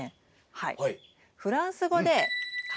はい。